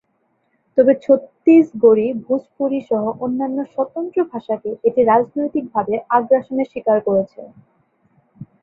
তবে ছত্তিসগড়ি, ভোজপুরি সহ অন্যান্য স্বতন্ত্র ভাষাকে এটি রাজনৈতিকভাবে আগ্রাসনের শিকার করেছে।